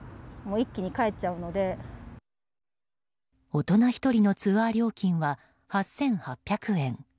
大人１人のツアー料金は８８００円。